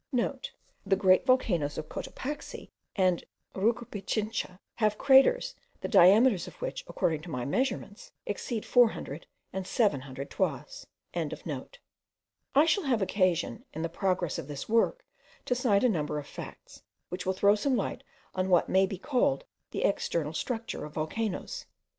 *(* The great volcanoes of Cotopaxi and Rucupichincha have craters, the diameters of which, according to my measurements, exceed 400 and 700 toises.) I shall have occasion, in the progress of this work, to cite a number of facts, which will throw some light on what may be called the external structure of volcanoes.